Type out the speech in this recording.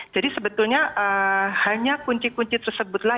jadi sebetulnya hanya kunci kunci tersebutlah